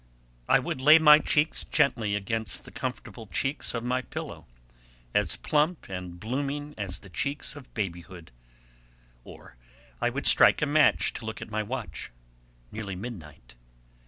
I would lay my cheeks gently against the comfortable cheeks of my pillow, as plump and blooming as the cheeks of babyhood. Or I would strike a match to look at my watch. Nearly midnight.